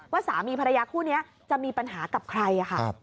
สามีภรรยาคู่นี้จะมีปัญหากับใครค่ะ